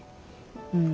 うん。